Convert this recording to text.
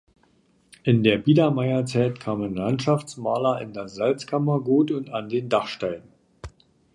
In der Biedermeierzeit kamen Landschaftsmaler in das Salzkammergut und an den Dachstein.